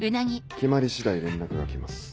決まり次第連絡がきます。